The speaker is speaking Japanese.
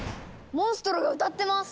モンストロが歌ってます！